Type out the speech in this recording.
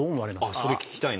「それ聞きたいな」